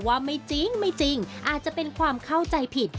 ว่าไม่จริงอาจจะเป็นความเข้าใจผิด